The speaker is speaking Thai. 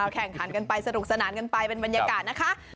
แข่งขันกันไปสนุกสนานกันไปเป็นบรรยากาศนะคะ